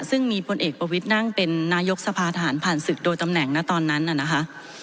ซึ่งมีพลเอกประวิทย์นั่งเป็นนายกสภาทหารผ่านศึกโดยตำแหน่งนะตอนนั้นน่ะนะคะ